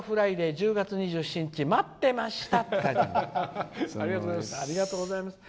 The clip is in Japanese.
１０月２７日待ってました」。